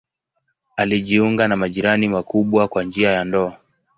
Alijiunga na majirani wakubwa kwa njia ya ndoa.